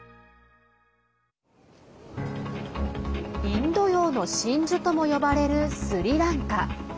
インド洋の真珠とも呼ばれるスリランカ。